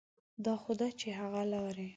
دا خو ده چې هغه لاړې.